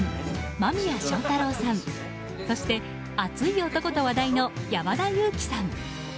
間宮祥太朗さん、そして熱い男と話題の山田裕貴さん。